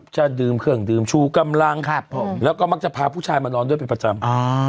จะดื่มเครื่องดื่มชูกำลังครับผมแล้วก็มักจะพาผู้ชายมานอนด้วยเป็นประจำ